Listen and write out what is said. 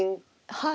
はい。